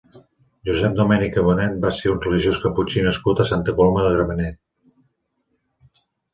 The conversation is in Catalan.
Josep Domenech i Bonet va ser un religiós caputxí nascut a Santa Coloma de Gramenet.